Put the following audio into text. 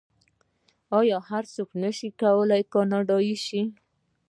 آیا هر څوک نشي کولی کاناډایی شي؟